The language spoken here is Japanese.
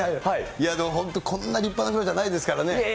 いやでも、本当にこんな立派な風呂じゃないですからね。